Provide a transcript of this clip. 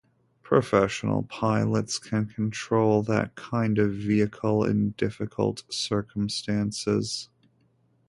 Professional pilots can control that kind of vehicle in difficult circumstances.